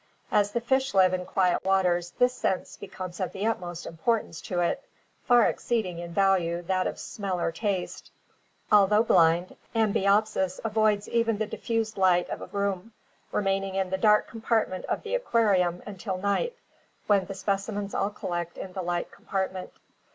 As the fish live in quiet waters this sense becomes of the ut most importance to it, far exceeding in value that of smell or taste. Although blind, Ambiyopsis avoids even the diffused light of a room, remaining in the dark compartment of the aquarium until night, when the specimens all collect in the light compartment.